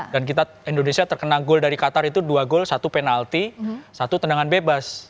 dan kita indonesia terkena gol dari qatar itu dua gol satu penalti satu tendangan bebas